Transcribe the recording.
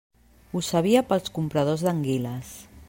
Ho sabia pels compradors d'anguiles.